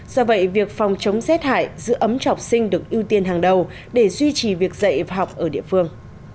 do vậy việc phòng chống rét hại giữ ấm cho học sinh được ưu tiên hàng đầu để duy trì việc dạy và học ở địa phương